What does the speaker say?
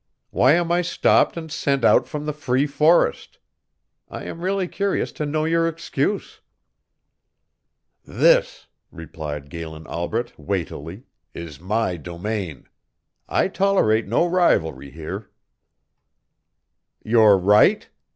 Why am I stopped and sent out from the free forest? I am really curious to know your excuse." "This," replied Galen Albret, weightily, "is my domain. I tolerate no rivalry here." "Your right?"